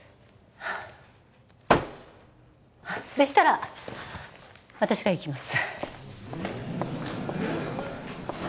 でしたら私が行きます。